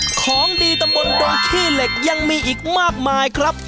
ของดีตำบลดงขี้เหล็กยังมีอีกมากมายครับ